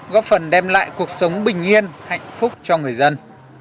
góp phần đem lại cuộc sống bình yên hạnh phúc cho người dân